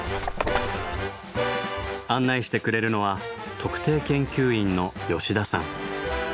案内してくれるのは特定研究員の吉田さん。